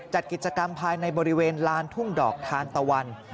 จัดกิจกรรมภายในบริเวณลานทุ่งดอกทานตะวัน